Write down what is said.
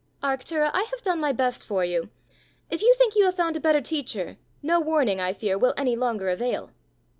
"Arctura, I have done my best for you! If you think you have found a better teacher, no warning, I fear, will any longer avail!"